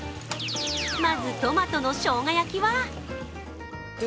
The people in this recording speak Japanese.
まず、トマトのしょうが